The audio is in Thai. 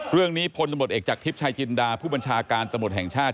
พลตำรวจเอกจากทิพย์ชายจินดาผู้บัญชาการตำรวจแห่งชาติ